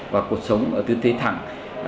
và cột sống ở tư thế thẳng